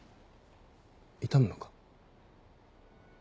痛むのか？